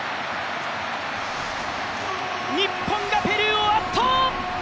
日本がペルーを圧倒！